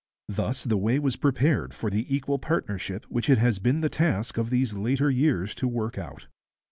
Thus the way was prepared for the equal partnership which it has been the task of these later years to work out.